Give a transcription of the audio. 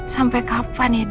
sampai kapan ya d